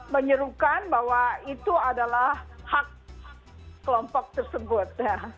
menyerukan bahwa itu adalah hak kelompok tersebut